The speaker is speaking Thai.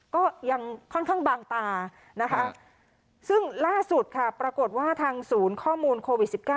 ก็ยังค่อนข้างบางตานะคะซึ่งล่าสุดค่ะปรากฏว่าทางศูนย์ข้อมูลโควิด๑๙